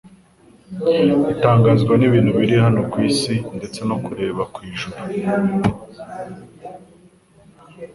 itangazwa n'ibintu biri hano ku isi, ndetse no kureba ku ijuru.